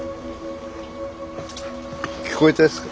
聞こえたですか？